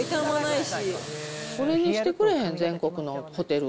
これにしてくれへん、全国のホテル。